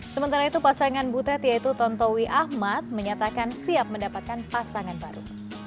sementara itu pasangan butet yaitu tontowi ahmad menyatakan siap mendapatkan pasangan baru